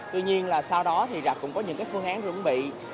tuy nhiên là sau đó thì rạp cũng có những phương án rưỡng bị